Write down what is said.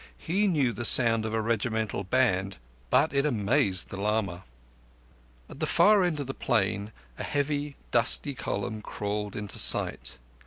He knew the sound of a regimental band, but it amazed the lama. At the far end of the plain a heavy, dusty column crawled in sight.